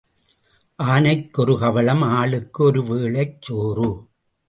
ஆனைக்கு ஒரு கவளம் ஆளுக்கு ஒரு வேளைச் சோறு.